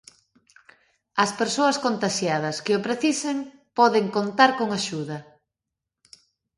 As persoas contaxiadas que o precisen poden contar con axuda.